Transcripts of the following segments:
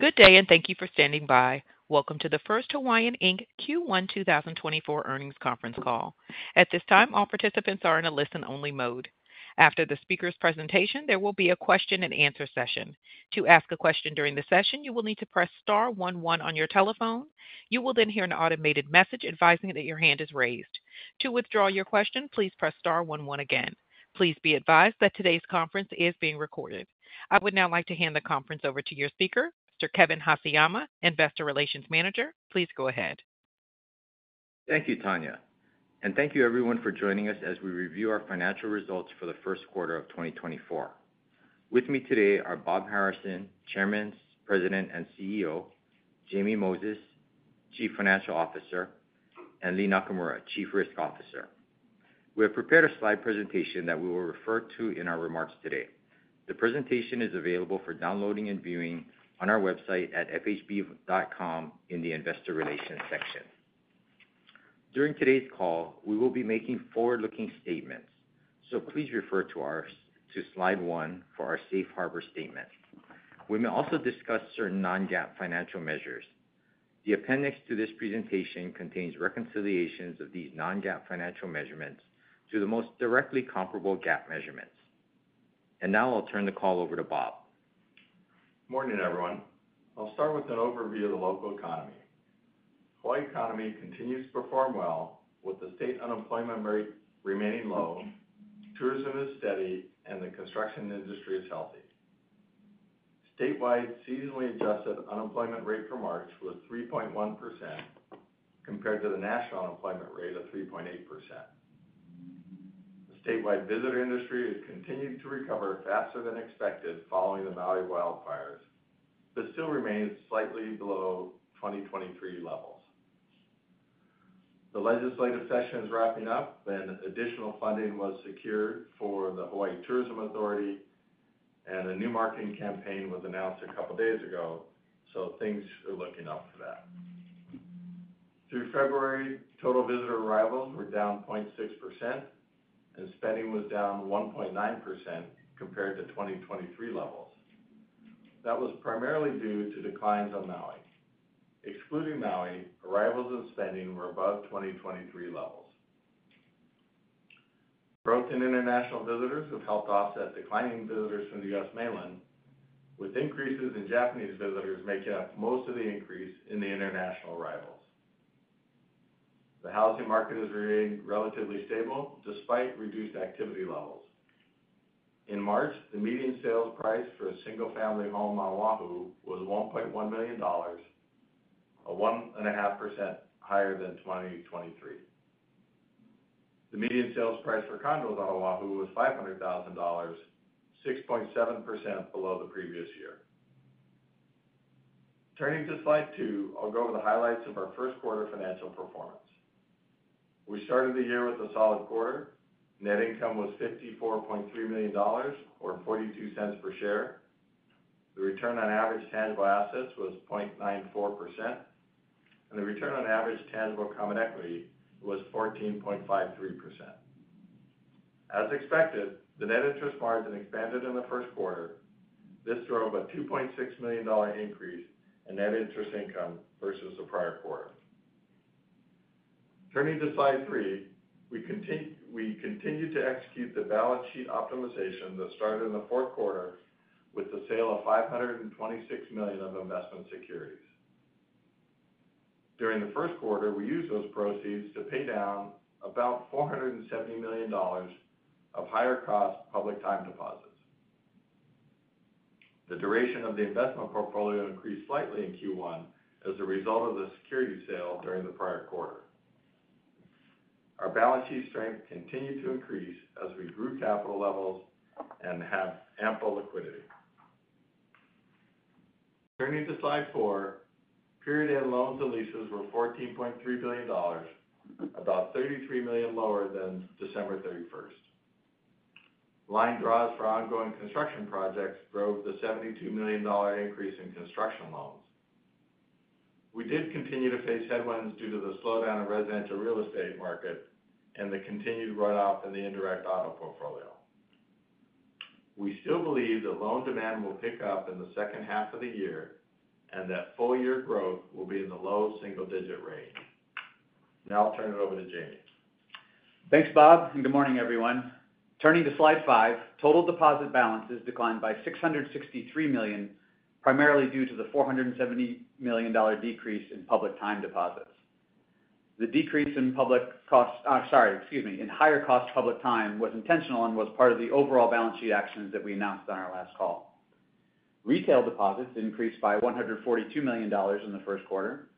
Good day and thank you for standing by. Welcome to the First Hawaiian, Inc. Q1 2024 earnings conference call. At this time, all participants are in a listen-only mode. After the speaker's presentation, there will be a question-and-answer session. To ask a question during the session, you will need to press star 11 on your telephone. You will then hear an automated message advising that your hand is raised. To withdraw your question, please press star 11 again. Please be advised that today's conference is being recorded. I would now like to hand the conference over to your speaker, Mr. Kevin Haseyama, Investor Relations Manager. Please go ahead. Thank you, Tanya. Thank you, everyone, for joining us as we review our financial results for the first quarter of 2024. With me today are Bob Harrison, Chairman, President, and CEO, Jamie Moses, Chief Financial Officer, and Lea Nakamura, Chief Risk Officer. We have prepared a slide presentation that we will refer to in our remarks today. The presentation is available for downloading and viewing on our website at fhb.com in the Investor Relations section. During today's call, we will be making forward-looking statements, so please refer to slide 1 for our safe harbor statement. We may also discuss certain non-GAAP financial measures. The appendix to this presentation contains reconciliations of these non-GAAP financial measurements to the most directly comparable GAAP measurements. Now I'll turn the call over to Bob. Morning, everyone. I'll start with an overview of the local economy. Hawaii's economy continues to perform well, with the state unemployment rate remaining low, tourism is steady, and the construction industry is healthy. Statewide seasonally adjusted unemployment rate for March was 3.1%, compared to the national unemployment rate of 3.8%. The statewide visitor industry has continued to recover faster than expected following the Maui wildfires, but still remains slightly below 2023 levels. The legislative session is wrapping up, and additional funding was secured for the Hawaii Tourism Authority, and a new marketing campaign was announced a couple of days ago, so things are looking up for that. Through February, total visitor arrivals were down 0.6%, and spending was down 1.9% compared to 2023 levels. That was primarily due to declines on Maui. Excluding Maui, arrivals and spending were above 2023 levels. Growth in international visitors has helped offset declining visitors from the U.S. mainland, with increases in Japanese visitors making up most of the increase in the international arrivals. The housing market is remaining relatively stable despite reduced activity levels. In March, the median sales price for a single-family home on O'ahu was $1.1 million, a 1.5% higher than 2023. The median sales price for condos on O'ahu was $500,000, 6.7% below the previous year. Turning to slide 2, I'll go over the highlights of our first quarter financial performance. We started the year with a solid quarter. Net income was $54.3 million, or $0.42 per share. The return on average tangible assets was 0.94%, and the return on average tangible common equity was 14.53%. As expected, the net interest margin expanded in the first quarter. This drove a $2.6 million increase in net interest income versus the prior quarter. Turning to slide 3, we continue to execute the balance sheet optimization that started in the fourth quarter, with the sale of $526 million of investment securities. During the first quarter, we used those proceeds to pay down about $470 million of higher-cost public time deposits. The duration of the investment portfolio increased slightly in Q1 as a result of the security sale during the prior quarter. Our balance sheet strength continued to increase as we grew capital levels and have ample liquidity. Turning to slide 4, period-end loans and leases were $14.3 billion, about $33 million lower than December 31st. Line draws for ongoing construction projects drove the $72 million increase in construction loans. We did continue to face headwinds due to the slowdown in residential real estate market and the continued runoff in the indirect auto portfolio. We still believe that loan demand will pick up in the second half of the year and that full-year growth will be in the low single-digit range. Now I'll turn it over to Jamie. Thanks, Bob, and good morning, everyone. Turning to slide 5, total deposit balances declined by $663 million, primarily due to the $470 million decrease in public time deposits. The decrease in public costs, oh, sorry, excuse me, in higher-cost public time was intentional and was part of the overall balance sheet actions that we announced on our last call. Retail deposits increased by $142 million in the first quarter,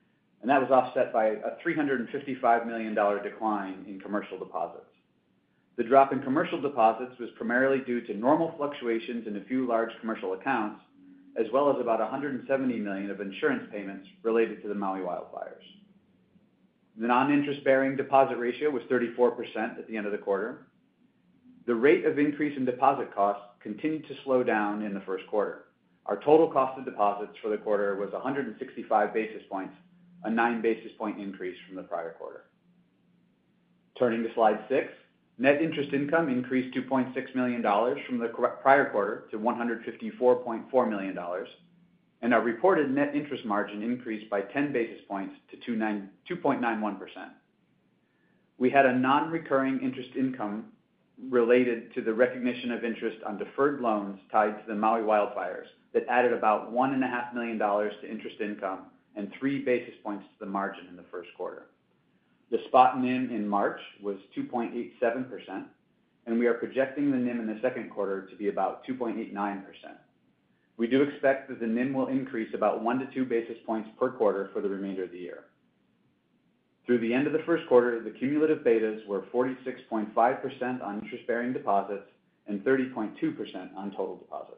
and that was offset by a $355 million decline in commercial deposits. The drop in commercial deposits was primarily due to normal fluctuations in a few large commercial accounts, as well as about $170 million of insurance payments related to the Maui wildfires. The non-interest-bearing deposit ratio was 34% at the end of the quarter. The rate of increase in deposit costs continued to slow down in the first quarter. Our total cost of deposits for the quarter was 165 basis points, a 9 basis point increase from the prior quarter. Turning to slide 6, net interest income increased $2.6 million from the prior quarter to $154.4 million, and our reported net interest margin increased by 10 basis points to 2.91%. We had a non-recurring interest income related to the recognition of interest on deferred loans tied to the Maui wildfires that added about $1.5 million to interest income and 3 basis points to the margin in the first quarter. The spot NIM in March was 2.87%, and we are projecting the NIM in the second quarter to be about 2.89%. We do expect that the NIM will increase about 1-2 basis points per quarter for the remainder of the year. Through the end of the first quarter, the cumulative betas were 46.5% on interest-bearing deposits and 30.2% on total deposits.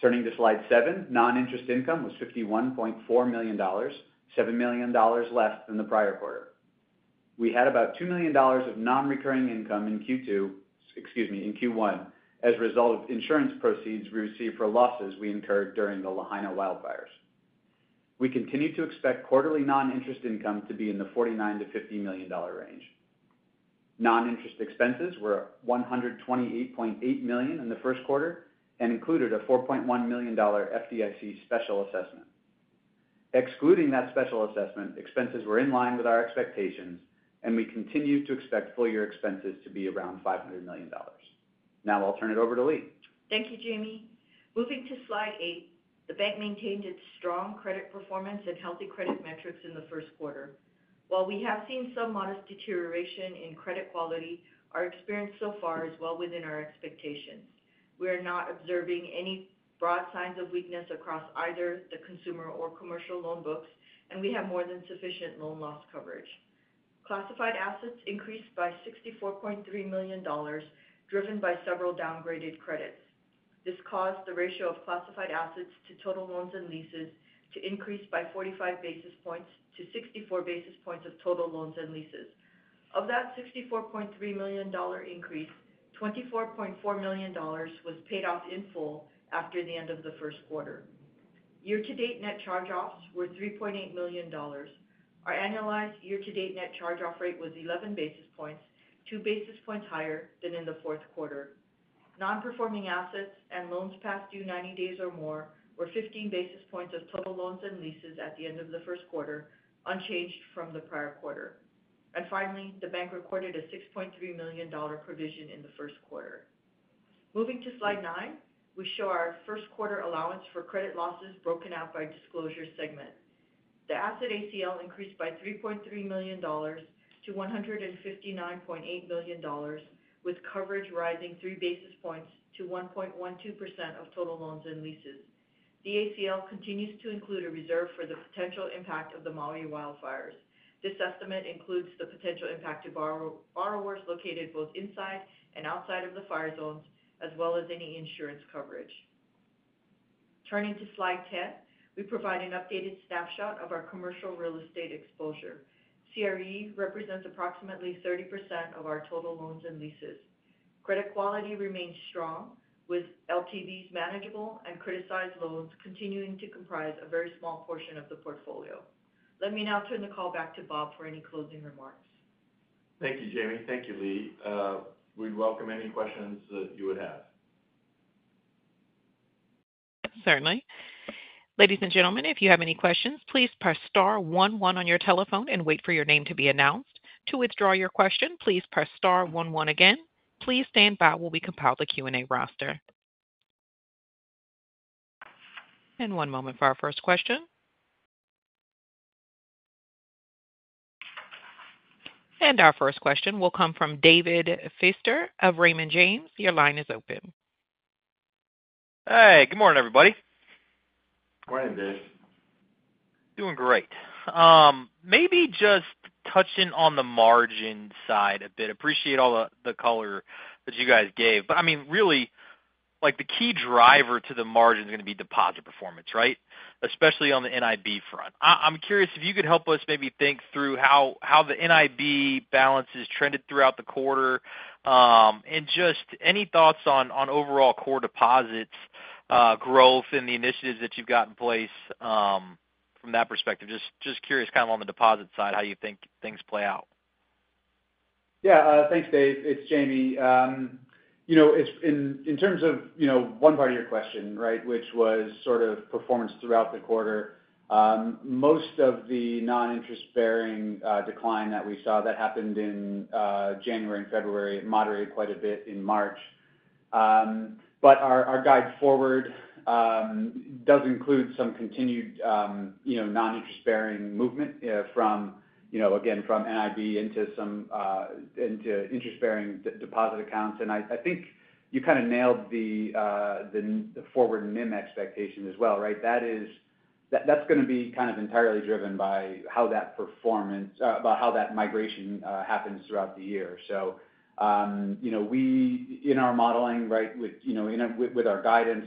Turning to slide 7, non-interest income was $51.4 million, $7 million less than the prior quarter. We had about $2 million of non-recurring income in Q2, excuse me, in Q1 as a result of insurance proceeds we received for losses we incurred during the Lahaina wildfires. We continue to expect quarterly non-interest income to be in the $49-$50 million range. Non-interest expenses were $128.8 million in the first quarter and included a $4.1 million FDIC special assessment. Excluding that special assessment, expenses were in line with our expectations, and we continue to expect full-year expenses to be around $500 million. Now I'll turn it over to Lea. Thank you, Jamie. Moving to slide 8, the bank maintained its strong credit performance and healthy credit metrics in the first quarter. While we have seen some modest deterioration in credit quality, our experience so far is well within our expectations. We are not observing any broad signs of weakness across either the consumer or commercial loan books, and we have more than sufficient loan loss coverage. Classified assets increased by $64.3 million, driven by several downgraded credits. This caused the ratio of classified assets to total loans and leases to increase by 45 basis points to 64 basis points of total loans and leases. Of that $64.3 million increase, $24.4 million was paid off in full after the end of the first quarter. Year-to-date net charge-offs were $3.8 million. Our annualized year-to-date net charge-off rate was 11 basis points, 2 basis points higher than in the fourth quarter. Non-performing assets and loans past due 90 days or more were 15 basis points of total loans and leases at the end of the first quarter, unchanged from the prior quarter. Finally, the bank recorded a $6.3 million provision in the first quarter. Moving to slide 9, we show our first quarter allowance for credit losses broken out by disclosure segment. The asset ACL increased by $3.3 million to $159.8 million, with coverage rising three basis points to 1.12% of total loans and leases. The ACL continues to include a reserve for the potential impact of the Maui wildfires. This estimate includes the potential impact to borrowers located both inside and outside of the fire zones, as well as any insurance coverage. Turning to slide 10, we provide an updated snapshot of our commercial real estate exposure. CRE represents approximately 30% of our total loans and leases. Credit quality remains strong, with LTVs manageable and criticized loans continuing to comprise a very small portion of the portfolio. Let me now turn the call back to Bob for any closing remarks. Thank you, Jamie. Thank you, Lea. We'd welcome any questions that you would have. Certainly. Ladies and gentlemen, if you have any questions, please press star 11 on your telephone and wait for your name to be announced. To withdraw your question, please press star 11 again. Please stand by while we compile the Q&A roster. One moment for our first question. Our first question will come from David Feaster of Raymond James. Your line is open. Hey. Good morning, everybody. Morning, Dave. Doing great. Maybe just touching on the margin side a bit. Appreciate all the color that you guys gave. But I mean, really, the key driver to the margin is going to be deposit performance, right, especially on the NIB front. I'm curious if you could help us maybe think through how the NIB balances trended throughout the quarter and just any thoughts on overall core deposits growth and the initiatives that you've got in place from that perspective. Just curious, kind of on the deposit side, how you think things play out? Yeah. Thanks, Dave. It's Jamie. In terms of one part of your question, right, which was sort of performance throughout the quarter, most of the non-interest-bearing decline that we saw, that happened in January and February, it moderated quite a bit in March. Our guide forward does include some continued non-interest-bearing movement, again, from NIB into interest-bearing deposit accounts. I think you kind of nailed the forward NIM expectation as well, right? That's going to be kind of entirely driven by how that performance about how that migration happens throughout the year. In our modeling, right, with our guidance,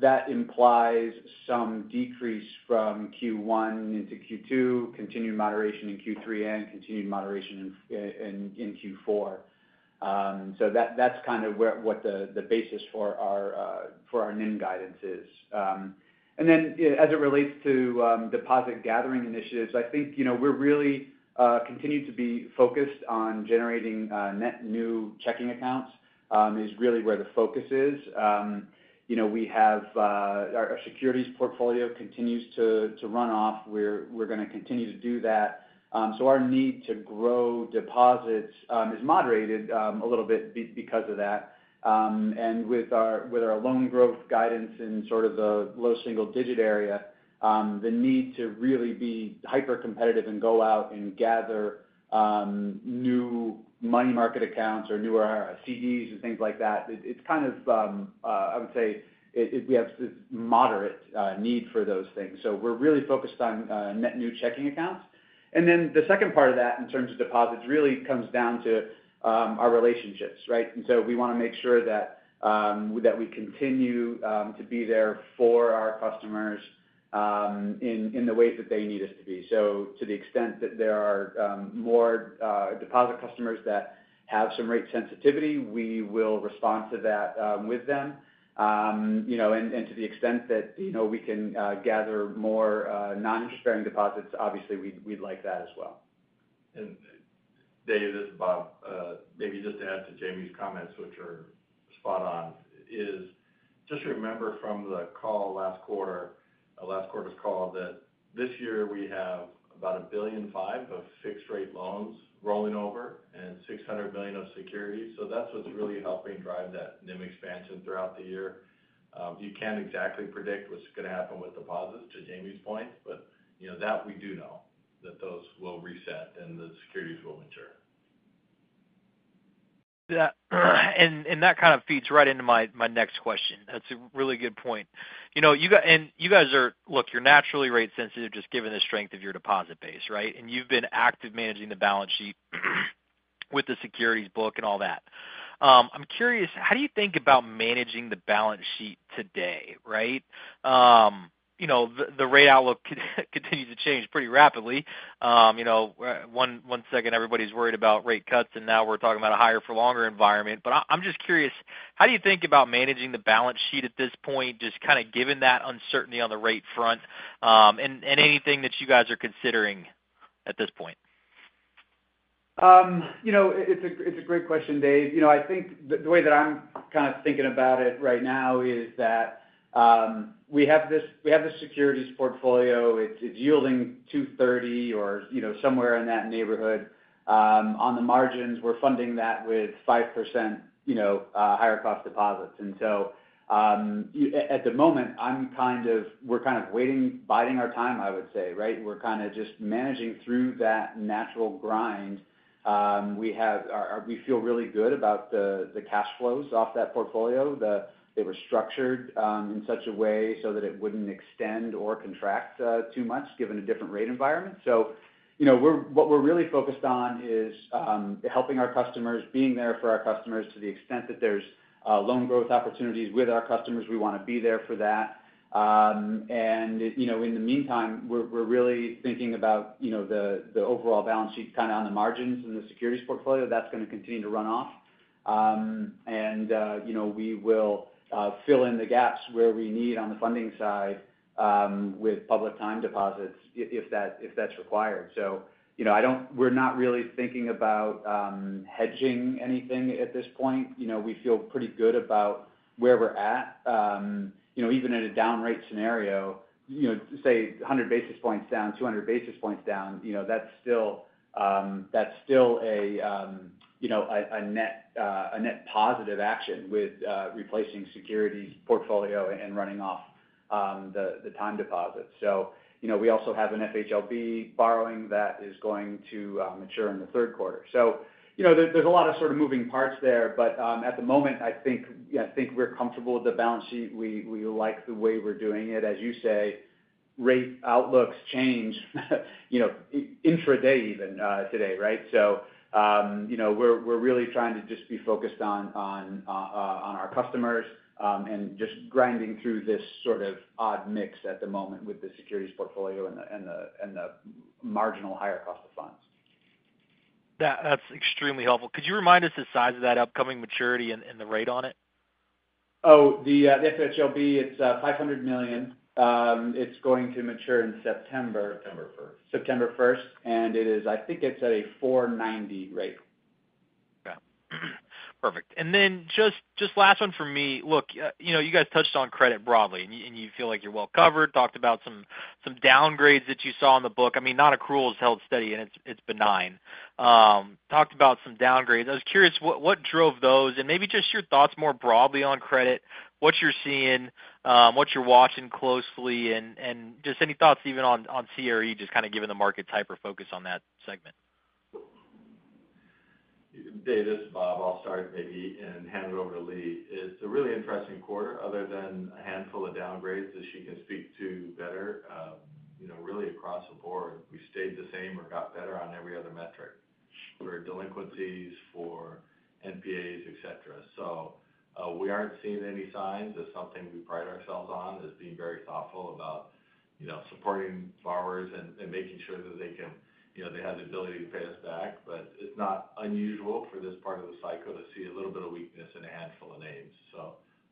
that implies some decrease from Q1 into Q2, continued moderation in Q3 and, continued moderation in Q4. So that's kind of what the basis for our NIM guidance is. As it relates to deposit gathering initiatives, I think we're really continued to be focused on generating net new checking accounts is really where the focus is. Our securities portfolio continues to run off. We're going to continue to do that. So our need to grow deposits is moderated a little bit because of that. With our loan growth guidance in sort of the low single-digit area, the need to really be hyper-competitive and go out and gather new money market accounts or newer CDs and things like that, it's kind of I would say we have this moderate need for those things. We're really focused on net new checking accounts. Then the second part of that in terms of deposits really comes down to our relationships, right? We want to make sure that we continue to be there for our customers in the ways that they need us to be. To the extent that there are more deposit customers that have some rate sensitivity, we will respond to that with them. To the extent that we can gather more non-interest-bearing deposits, obviously, we'd like that as well. Dave, this is Bob. Maybe just to add to Jamie's comments, which are spot-on, is just remember from last quarter's call that this year we have about $1.5 billion of fixed-rate loans rolling over and $600 million of securities. That's what's really helping drive that NIM expansion throughout the year. You can't exactly predict what's going to happen with deposits, to Jamie's point, but that we do know, that those will reset and the securities will mature. And that kind of feeds right into my next question. That's a really good point. You guys are look, you're naturally rate-sensitive, just given the strength of your deposit base, right? You've been active managing the balance sheet with the securities book and all that. I'm curious, how do you think about managing the balance sheet today, right? The rate outlook continues to change pretty rapidly. One second, everybody's worried about rate cuts, and now we're talking about a higher-for-longer environment. I'm just curious, how do you think about managing the balance sheet at this point, just kind of given that uncertainty on the rate front, and anything that you guys are considering at this point? It's a great question, Dave. I think the way that I'm kind of thinking about it right now is that we have this securities portfolio. It's yielding 230 or somewhere in that neighborhood. On the margins, we're funding that with 5% higher-cost deposits. At the moment, we're kind of waiting, biding our time, I would say, right? We're kind of just managing through that natural grind. We feel really good about the cash flows off that portfolio. They were structured in such a way so that it wouldn't extend or contract too much, given a different rate environment. What we're really focused on is helping our customers, being there for our customers to the extent that there's loan growth opportunities with our customers. We want to be there for that. In the meantime, we're really thinking about the overall balance sheet kind of on the margins and the securities portfolio. That's going to continue to run off. We will fill in the gaps where we need on the funding side with public time deposits if that's required. We're not really thinking about hedging anything at this point. We feel pretty good about where we're at. Even in a down-rate scenario, say, 100 basis points down, 200 basis points down, that's still a net positive action with replacing securities portfolio and running off the time deposits. We also have an FHLB borrowing that is going to mature in the third quarter. There's a lot of sort of moving parts there. At the moment, I think we're comfortable with the balance sheet. We like the way we're doing it. As you say, rate outlooks change intraday even today, right? We're really trying to just be focused on our customers and just grinding through this sort of odd mix at the moment with the securities portfolio and the marginal higher cost of funds. That's extremely helpful. Could you remind us the size of that upcoming maturity and the rate on it? Oh, the FHLB, it's $500 million. It's going to mature in September. September 1st. September 1st. I think it's at a 490 rate. Okay. Perfect. Then just last one from me. Look, you guys touched on credit broadly, and you feel like you're well covered. Talked about some downgrades that you saw in the book. I mean, non-accruals held steady, and it's benign. Talked about some downgrades. I was curious, what drove those? Maybe just your thoughts more broadly on credit, what you're seeing, what you're watching closely, and just any thoughts even on CRE, just kind of given the market's hyper-focus on that segment. Dave, this is Bob. I'll start maybe and hand it over to Lea. It's a really interesting quarter. Other than a handful of downgrades, as she can speak to better, really across the board, we stayed the same or got better on every other metric for delinquencies, for NPAs, etc. We aren't seeing any signs of something we pride ourselves on as being very thoughtful about supporting borrowers and making sure that they have the ability to pay us back. It's not unusual for this part of the cycle to see a little bit of weakness in a handful of names.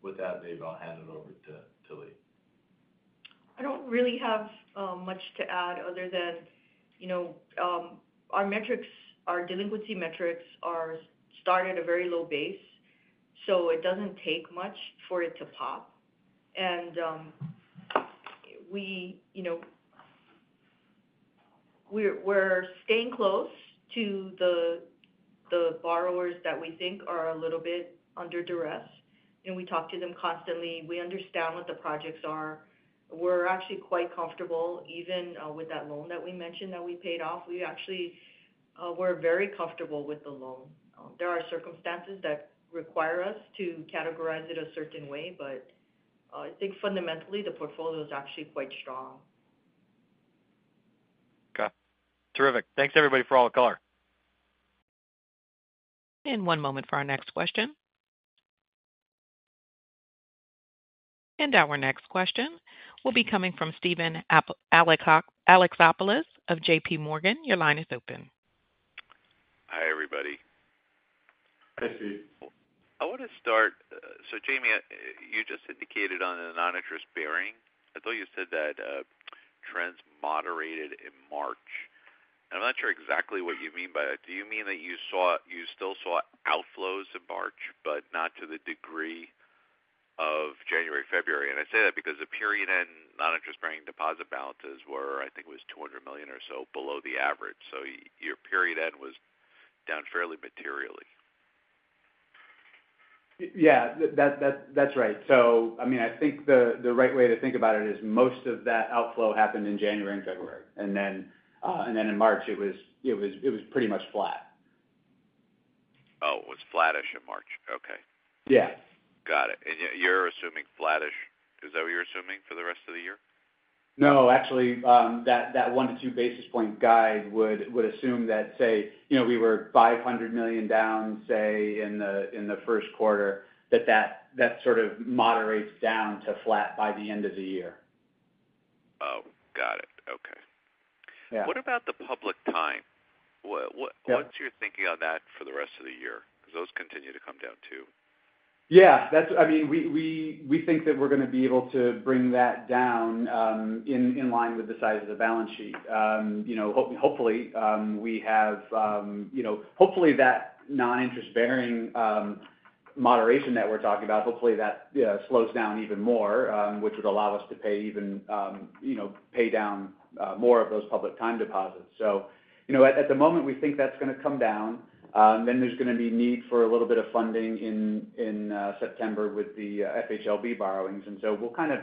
With that, Dave, I'll hand it over to Lea. I don't really have much to add other than our delinquency metrics start at a very low base, so it doesn't take much for it to pop. We're staying close to the borrowers that we think are a little bit under duress. We talk to them constantly. We understand what the projects are. We're actually quite comfortable even with that loan that we mentioned that we paid off. We actually were very comfortable with the loan. There are circumstances that require us to categorize it a certain way, but I think fundamentally, the portfolio is actually quite strong. Okay. Terrific. Thanks, everybody, for all the color. One moment for our next question. Our next question will be coming from Steven Alexopoulos of J.P. Morgan. Your line is open. Hi, everybody. Hi, Steve. I want to start so Jamie, you just indicated on the non-interest-bearing. I thought you said that trends moderated in March. I'm not sure exactly what you mean by that. Do you mean that you still saw outflows in March, but not to the degree of January, February? I say that because the period-end non-interest-bearing deposit balances were, I think it was $200 million or so below the average. Your period-end was down fairly materially. Yeah. That's right. So I mean, I think the right way to think about it is most of that outflow happened in January and February. Then in March, it was pretty much flat. Oh, it was flat-ish in March. Okay. Yeah. Got it. You're assuming flat-ish. Is that what you're assuming for the rest of the year? No. Actually, that 1-2 basis points guide would assume that, say, we were $500 million down, say, in the first quarter, that that sort of moderates down to flat by the end of the year. Oh, got it. Okay. What about the public time? What's your thinking on that for the rest of the year? Because those continue to come down too. Yeah. I mean, we think that we're going to be able to bring that down in line with the size of the balance sheet. Hopefully, we have that non-interest-bearing moderation that we're talking about. Hopefully, that slows down even more, which would allow us to pay down more of those public time deposits. At the moment, we think that's going to come down. Then there's going to be need for a little bit of funding in September with the FHLB borrowings. We'll kind of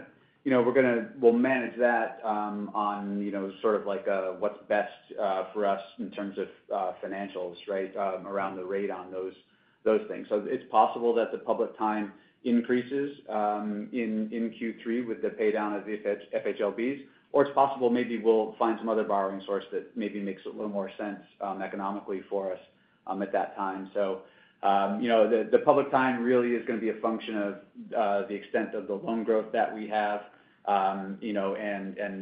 manage that on sort of what's best for us in terms of financials, right, around the rate on those things. It's possible that the public time increases in Q3 with the paydown of the FHLBs, or it's possible maybe we'll find some other borrowing source that maybe makes a little more sense economically for us at that time. The payback time really is going to be a function of the extent of the loan growth that we have and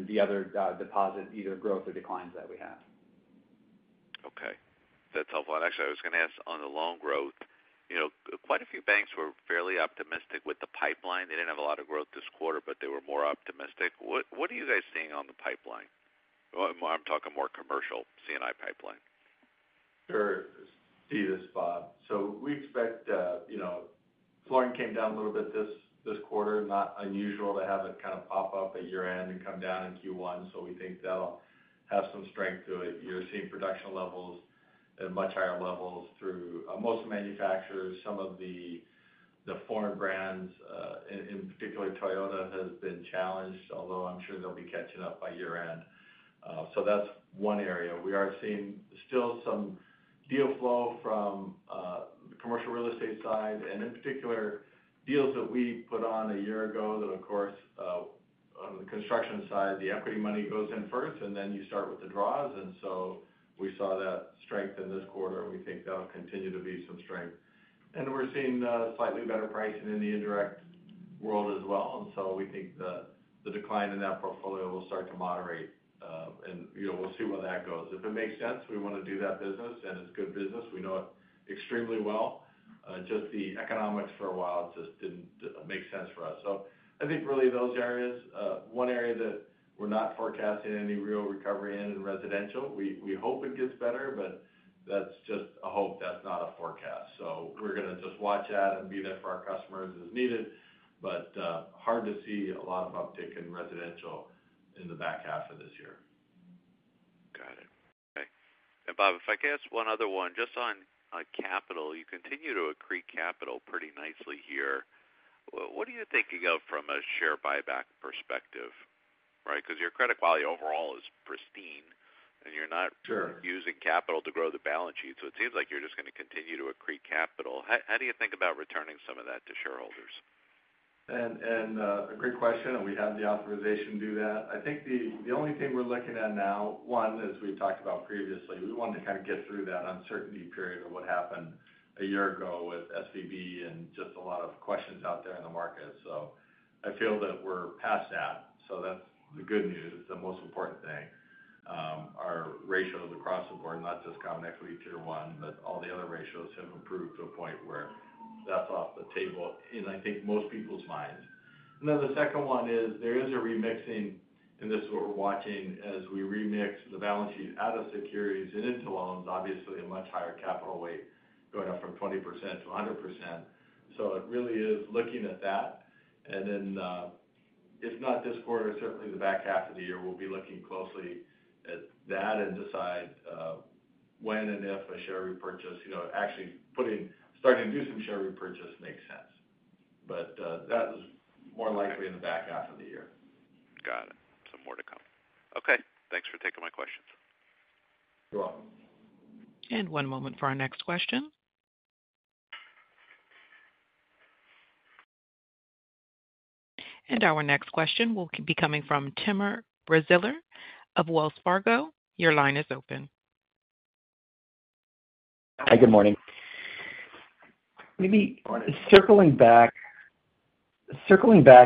the other deposit, either growth or declines that we have. Okay. That's helpful. Actually, I was going to ask on the loan growth, quite a few banks were fairly optimistic with the pipeline. They didn't have a lot of growth this quarter, but they were more optimistic. What are you guys seeing on the pipeline? I'm talking more commercial C&I pipeline. Sure. Steve, this is Bob. We expect flooring came down a little bit this quarter. Not unusual to have it kind of pop up at year-end and come down in Q1. So we think that'll have some strength to it. You're seeing production levels at much higher levels through most of the manufacturers. Some of the foreign brands, in particular, Toyota, has been challenged, although I'm sure they'll be catching up by year-end. That's one area. We are seeing still some deal flow from the commercial real estate side and, in particular, deals that we put on a year ago that, of course, on the construction side, the equity money goes in first, and then you start with the draws. We saw that strength in this quarter. We think that'll continue to be some strength. We're seeing slightly better pricing in the indirect world as well. We think the decline in that portfolio will start to moderate, and we'll see where that goes. If it makes sense, we want to do that business, and it's good business. We know it extremely well. Just the economics for a while, it just didn't make sense for us. I think really those areas one area that we're not forecasting any real recovery in residential, we hope it gets better, but that's just a hope. That's not a forecast. We're going to just watch that and be there for our customers as needed, but hard to see a lot of uptick in residential in the back half of this year. Got it. Okay. And Bob, if I could ask one other one, just on capital, you continue to accrete capital pretty nicely here. What are you thinking of from a share buyback perspective, right? Because your credit quality overall is pristine, and you're not using capital to grow the balance sheet. It seems like you're just going to continue to accrete capital. How do you think about returning some of that to shareholders? A great question, and we have the authorization to do that. I think the only thing we're looking at now, one, as we've talked about previously, we wanted to kind of get through that uncertainty period of what happened a year ago with SVB and just a lot of questions out there in the market. I feel that we're past that. That's the good news, the most important thing, our ratios across the board, not just common equity tier one, but all the other ratios have improved to a point where that's off the table in, I think, most people's minds. T hen the second one is there is a remixing, and this is what we're watching as we remix the balance sheet out of securities and into loans, obviously, a much higher capital weight going up from 20%-100%. It really is looking at that. Then if not this quarter, certainly the back half of the year, we'll be looking closely at that and decide when and if a share repurchase actually starting to do some share repurchase makes sense. That is more likely in the back half of the year. Got it. So more to come. Okay. Thanks for taking my questions. You're welcome. One moment for our next question. Our next question will be coming from Timur Braziler of Wells Fargo. Your line is open. Hi. Good morning. Maybe circling back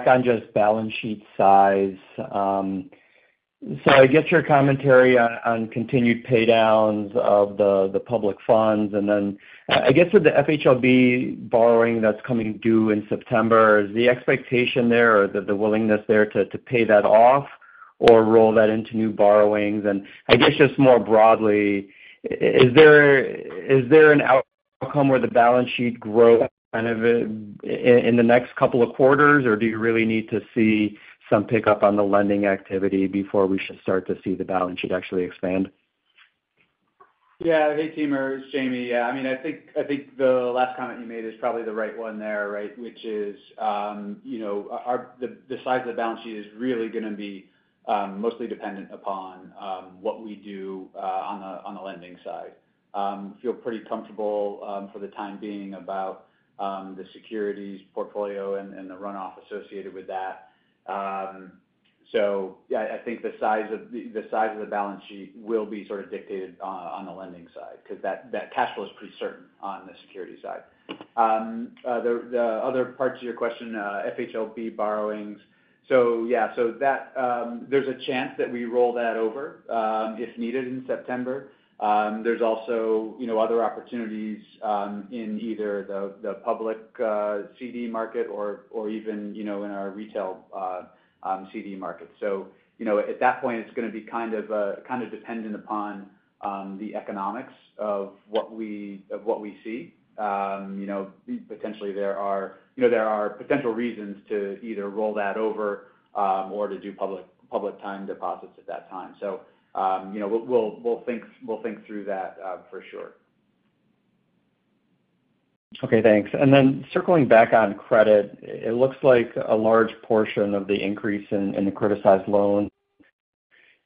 on just balance sheet size. I get your commentary on continued paydowns of the public funds. Then I guess with the FHLB borrowing that's coming due in September, is the expectation there or the willingness there to pay that off or roll that into new borrowings? I guess just more broadly, is there an outcome where the balance sheet grows kind of in the next couple of quarters, or do you really need to see some pickup on the lending activity before we should start to see the balance sheet actually expand? Yeah. Hey, Timur. It's Jamie. Yeah. I mean, I think the last comment you made is probably the right one there, right, which is the size of the balance sheet is really going to be mostly dependent upon what we do on the lending side. I feel pretty comfortable for the time being about the securities portfolio and the runoff associated with that. Yeah, I think the size of the balance sheet will be sort of dictated on the lending side because that cash flow is pretty certain on the security side. The other parts of your question, FHLB borrowings. Yeah, so there's a chance that we roll that over if needed in September. There's also other opportunities in either the public CD market or even in our retail CD market. At that point, it's going to be kind of dependent upon the economics of what we see. Potentially, there are potential reasons to either roll that over or to do public time deposits at that time. So we'll think through that for sure. Okay. Thanks. And then circling back on credit, it looks like a large portion of the increase in the criticized loans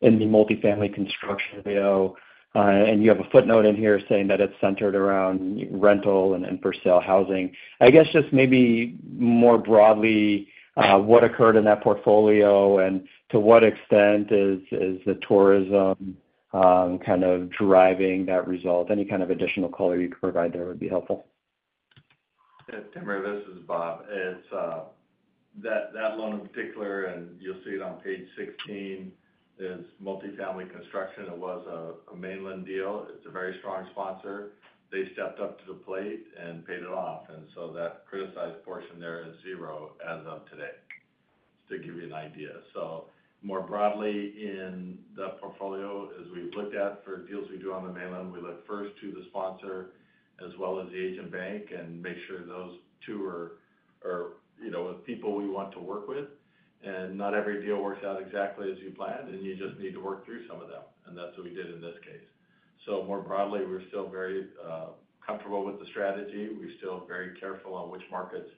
in the multifamily construction portfolio, and you have a footnote in here saying that it's centered around rental and for-sale housing. I guess just maybe more broadly, what occurred in that portfolio, and to what extent is the tourism kind of driving that result? Any kind of additional color you could provide there would be helpful. Timur, this is Bob. That loan in particular, and you'll see it on page 16, is multifamily construction. It was a mainland deal. It's a very strong sponsor. They stepped up to the plate and paid it off. And so that criticized portion there is zero as of today, just to give you an idea. So more broadly, in the portfolio, as we've looked at for deals we do on the mainland, we look first to the sponsor as well as the agent bank and make sure those two are people we want to work with. Not every deal works out exactly as you planned, and you just need to work through some of them. And that's what we did in this case. More broadly, we're still very comfortable with the strategy. We're still very careful on which markets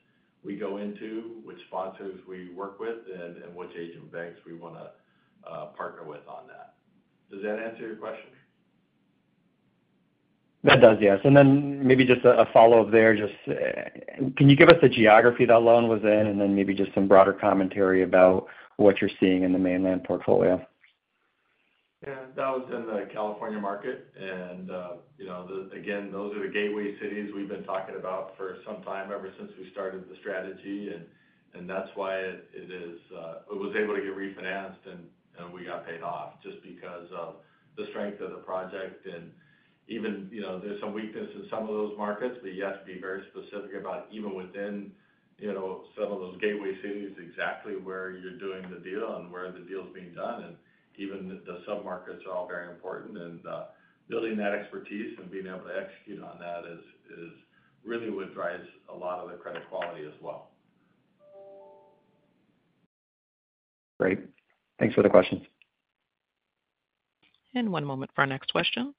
we go into, which sponsors we work with, and which agent banks we want to partner with on that. Does that answer your question? That does, yes. Then maybe just a follow-up there. Can you give us the geography that loan was in, and then maybe just some broader commentary about what you're seeing in the mainland portfolio? Yeah. That was in the California market. Again, those are the gateway cities we've been talking about for some time ever since we started the strategy. That's why it was able to get refinanced, and we got paid off just because of the strength of the project. Even there's some weakness in some of those markets, but you have to be very specific about even within some of those gateway cities, exactly where you're doing the deal and where the deal's being done. Even the submarkets are all very important. Building that expertise and being able to execute on that is really what drives a lot of the credit quality as well. Great. Thanks for the questions. One moment for our next question.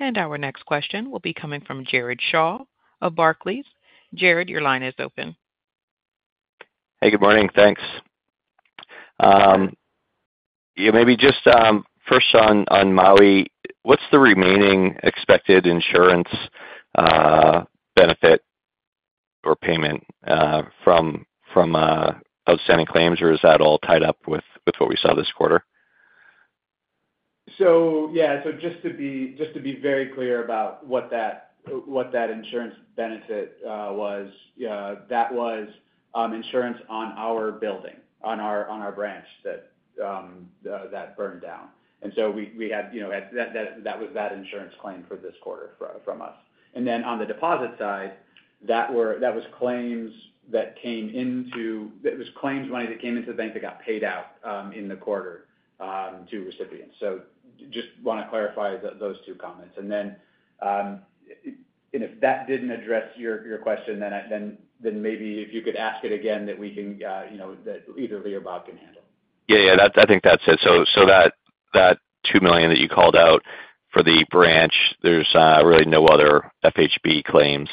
Our next question will be coming from Jared Shaw of Barclays. Jared, your line is open. Hey. Good morning. Thanks. Maybe just first on Maui, what's the remaining expected insurance benefit or payment from outstanding claims, or is that all tied up with what we saw this quarter? Yeah. Just to be very clear about what that insurance benefit was, that was insurance on our building, on our branch that burned down. We had that insurance claim for this quarter from us. Then on the deposit side, that was claims money that came into the bank that got paid out in the quarter to recipients. Just want to clarify those two comments. If that didn't address your question, then maybe if you could ask it again, that either Lea or Bob can handle. Yeah. Yeah. I think that's it. So that $2 million that you called out for the branch, there's really no other FHB claims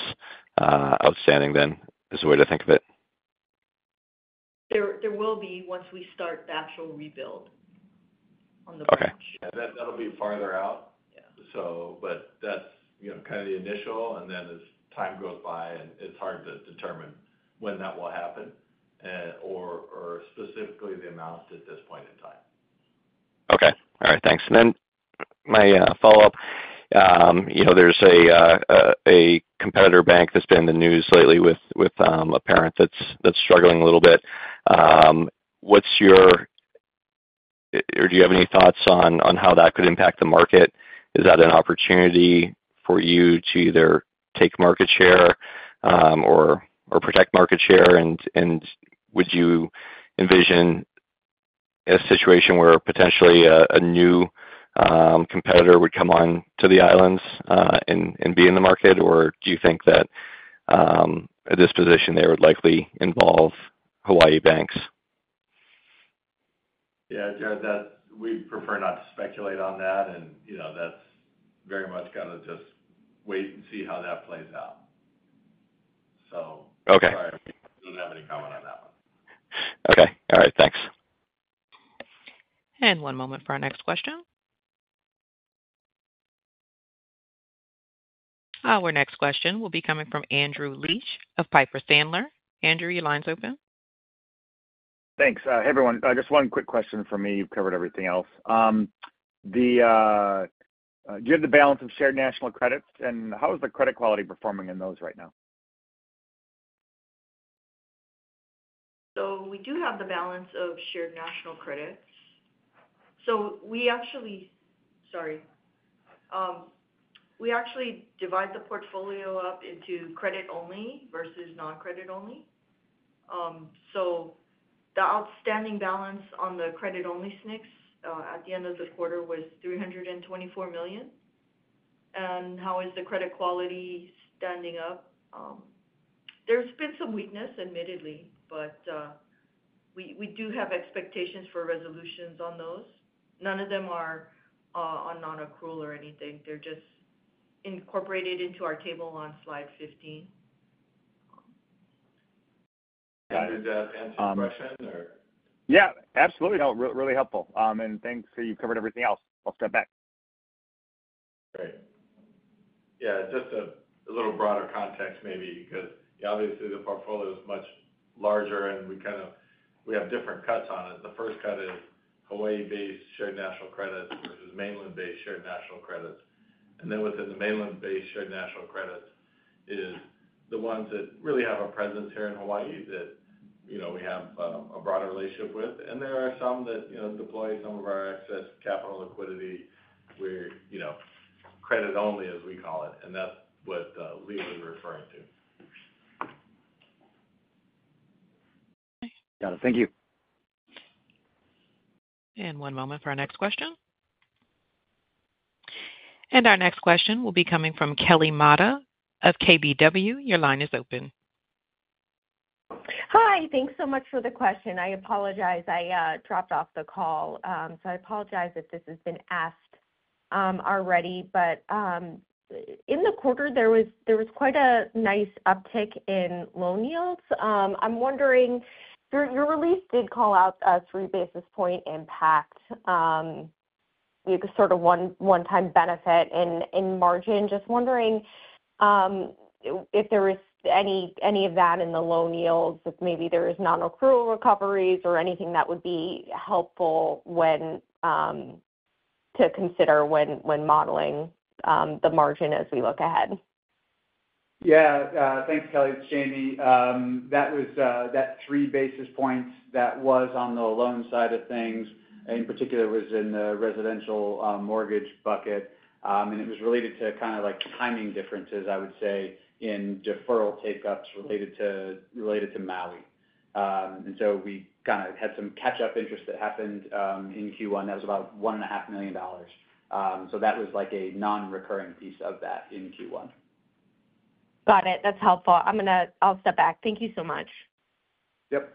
outstanding than is the way to think of it. There will be once we start the actual rebuild on the branch. Okay. Yeah. That'll be farther out, so. That's kind of the initial. Then as time goes by, it's hard to determine when that will happen or specifically the amount at this point in time. Okay. All right. Thanks. Then my follow-up, there's a competitor bank that's been in the news lately with a parent that's struggling a little bit. Or do you have any thoughts on how that could impact the market? Is that an opportunity for you to either take market share or protect market share? Would you envision a situation where potentially a new competitor would come on to the islands and be in the market, or do you think that a disposition there would likely involve Hawaii banks? Yeah. Jared, we prefer not to speculate on that. That's very much got to just wait and see how that plays out. Sorry. We don't have any comment on that one. Okay. All right. Thanks. One moment for our next question. Our next question will be coming from Andrew Liesch of Piper Sandler. Andrew, your line's open. Thanks. Hey, everyone. Just one quick question from me. You've covered everything else. Do you have the balance of Shared National Credits? How is the credit quality performing in those right now? We do have the balance of shared national credits. We actually, sorry. We actually divide the portfolio up into credit-only versus non-credit-only. The outstanding balance on the credit-only SNCS at the end of the quarter was $324 million. How is the credit quality standing up? There's been some weakness, admittedly, but we do have expectations for resolutions on those. None of them are on non-accrual or anything. They're just incorporated into our table on slide 15. Got it. Did that answer your question, or? Yeah. Absolutely. Really helpful. And thanks, you've covered everything else. I'll step back. Great. Yeah. Just a little broader context maybe because obviously, the portfolio is much larger, and we have different cuts on it. The first cut is Hawaii-based shared national credits versus mainland-based shared national credits. Then within the mainland-based shared national credits is the ones that really have a presence here in Hawaii that we have a broader relationship with. There are some that deploy some of our excess capital liquidity where credit-only, as we call it. That's what Lea was referring to. Got it. Thank you. One moment for our next question. Our next question will be coming from Kelly Motta of KBW. Your line is open. Hi. Thanks so much for the question. I apologize. I dropped off the call. So I apologize if this has been asked already. In the quarter, there was quite a nice uptick in loan yields. I'm wondering, your release did call out 3 basis point impact, sort of one-time benefit in margin. Just wondering if there was any of that in the loan yields, if maybe there is non-accrual recoveries or anything that would be helpful to consider when modeling the margin as we look ahead. Yeah. Thanks, Kelly. It's Jamie. That three basis points that was on the loan side of things, in particular, was in the residential mortgage bucket. It was related to kind of timing differences, I would say, in deferral takeups related to Maui. We kind of had some catch-up interest that happened in Q1. That was about $1.5 million. That was a non-recurring piece of that in Q1. Got it. That's helpful. I'll step back. Thank you so much. Yep.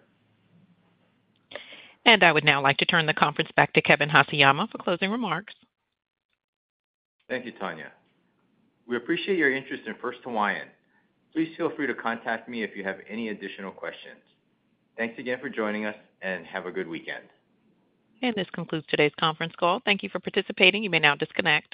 I would now like to turn the conference back to Kevin Haseyama for closing remarks. Thank you, Tanya. We appreciate your interest in First Hawaiian. Please feel free to contact me if you have any additional questions. Thanks again for joining us, and have a good weekend. This concludes today's conference call. Thank you for participating. You may now disconnect.